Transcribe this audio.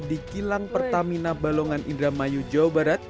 di kilang pertamina balongan indramayu jawa barat